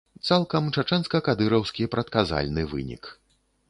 Цалкам чачэнска-кадыраўскі прадказальны вынік.